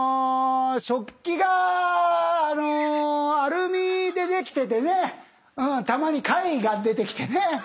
食器があのアルミでできててねたまに貝が出てきてね。